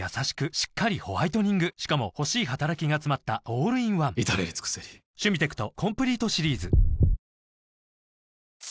しっかりホワイトニングしかも欲しい働きがつまったオールインワン至れり尽せりさあ今日のプレゼントは？